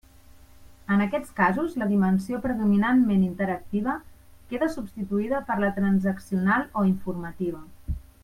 En aquests casos la dimensió predominantment interactiva queda substituïda per la transaccional o informativa.